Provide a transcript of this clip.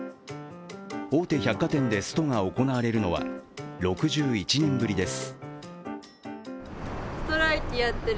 大手百貨店でストが行われるのは６１年ぶりです